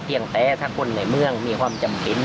เพียงแป้สักคนในเมืองมีความจำเป็น